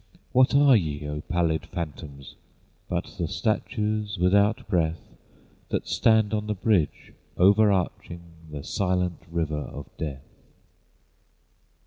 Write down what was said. What are ye, O pallid phantoms! But the statues without breath, That stand on the bridge overarching The silent river of death?